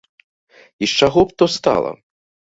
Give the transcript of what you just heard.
І з чаго б то стала?